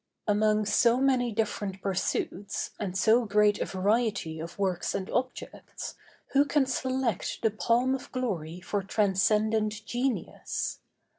Among so many different pursuits, and so great a variety of works and objects, who can select the palm of glory for transcendent genius?